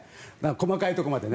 細かいところまで。